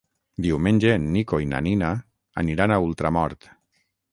Diumenge en Nico i na Nina aniran a Ultramort.